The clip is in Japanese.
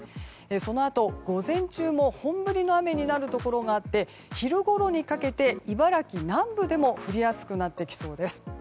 そのあと、午前中も本降りの雨になるところがあって昼ごろにかけて茨城南部でも降りやすくなってきそうです。